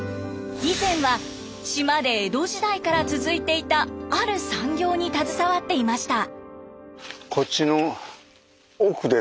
以前は島で江戸時代から続いていたある産業に携わっていました。